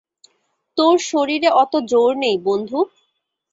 তোর শরীরে অত জোর নেই, বন্ধু।